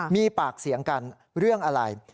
มีปากเสียงกันเรื่องอะไร